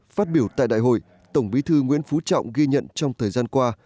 phát biểu tại đại hội tổng bí thư nguyễn phú trọng ghi nhận trong thời gian qua